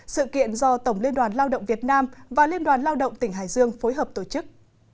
sự kiện do tổng liên đoàn lao động việt nam và liên đoàn lao động tỉnh hải dương phối hợp tổ chức